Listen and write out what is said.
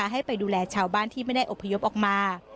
ให้ไปดูแลชาวบ้านที่ไม่ได้อบพยพออกมา